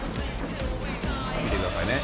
「見てくださいね。